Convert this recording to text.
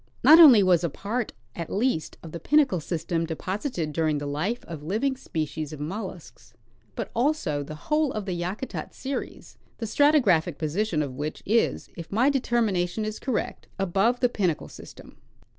Not only was a part, at least, of the Pinnacle system deposited during the life of living species of mollusks, but also the whole of the Yakutat series, the stratigraphic position of which is, if my determination is correct, above the Pinnacle system.